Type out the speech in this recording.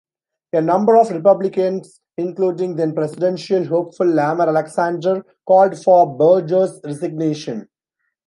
A number of Republicans, including then presidential hopeful Lamar Alexander, called for Berger's resignation.